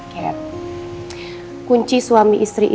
kat kunci suami istri itu ada di dalam